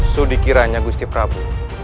sudikirannya gusti prabowo